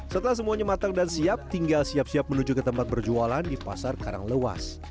setelah semuanya matang dan siap tinggal siap siap menuju ke tempat berjualan di pasar karanglewas